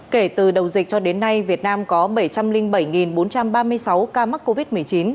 kể từ đầu dịch cho đến nay việt nam có bảy trăm linh bảy bốn trăm ba mươi sáu ca mắc covid một mươi chín